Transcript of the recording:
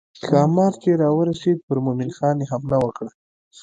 ښامار چې راورسېد پر مومن خان یې حمله وکړه.